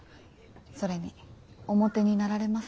それにおもてになられます。